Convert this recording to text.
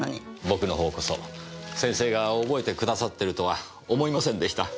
僕の方こそ先生が覚えてくださってるとは思いませんでした。